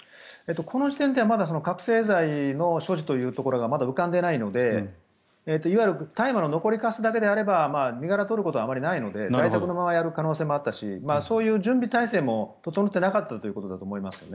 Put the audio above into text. この時点ではまだ覚醒剤の所持というところがまだ浮かんでないので、いわゆる大麻の残りかすだけであれば身柄を取ることはあまりないので在宅のままやる可能性もあったしそういう準備態勢も整ってなかったということだと思います。